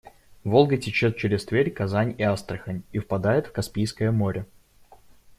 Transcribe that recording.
Волга течёт через Тверь, Казань и Астрахань и впадает в Каспийское море.